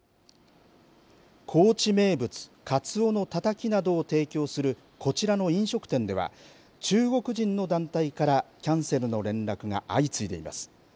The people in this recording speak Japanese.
高知名物、かつおのたたきなどを提供するこちらの飲食店では中国人の団体からキャンセルの連絡が相次いでいます。